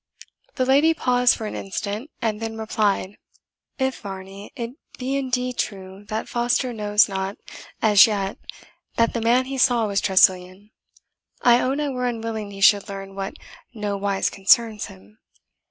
The lady paused for an instant, and then replied, "If, Varney, it be indeed true that Foster knows not as yet that the man he saw was Tressilian, I own I were unwilling he should learn what nowise concerns him.